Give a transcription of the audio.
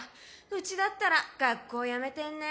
ウチだったら学校やめてんね。